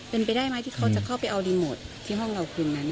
เป็นไปได้ไหมที่เขาจะเข้าไปเอารีโมทที่ห้องเราคืนนั้น